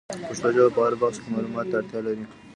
پښتو ژبه په هر بخش کي معلوماتو ته اړتیا لري.